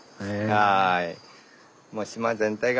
はい。